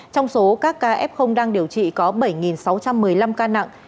trong số các ca f đang điều trị có bảy sáu trăm một mươi năm ca nặng